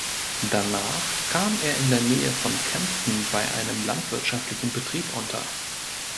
Danach kam er in der Nähe von Kempten bei einem landwirtschaftlichen Betrieb unter.